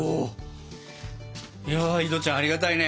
いや井戸ちゃんありがたいね！